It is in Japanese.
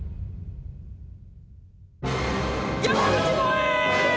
山口もえ！